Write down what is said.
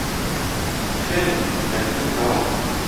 خوێندی خوێندنی تەواوە